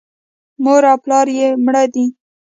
مور او پلار یې مړه دي .